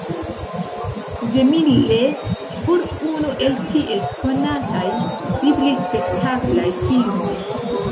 DeMille por unu el ties konataj biblispektaklaj filmoj.